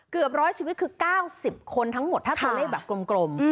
เกือบร้อยชีวิตคือ๙๐คนทั้งหมดถ้าตัวเลขแบบกลม